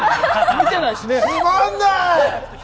つまんない！